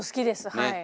はい。